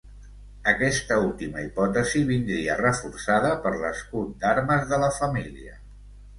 Aquesta última hipòtesi vindria reforçada per l'escut d'armes de la família.